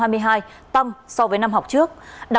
đặc biệt các trường công bắt đầu triển khai